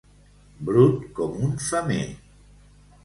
Brut com un femer.